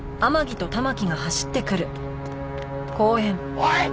おい！